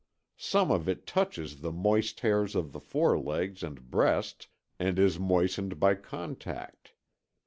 Some of it touches the moist hairs on the forelegs and breast and is moistened by contact.